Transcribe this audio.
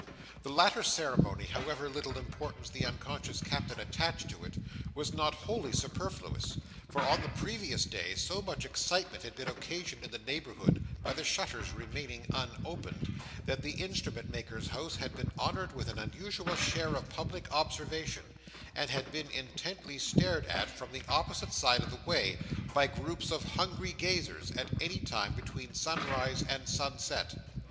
The latter ceremony, however little importance the unconscious Captain attached to it, was not wholly superfluous; for, on the previous day, so much excitement had been occasioned in the neighbourhood, by the shutters remaining unopened, that the Instrument maker's house had been honoured with an unusual share of public observation, and had been intently stared at from the opposite side of the way, by groups of hungry gazers, at any time between sunrise and sunset.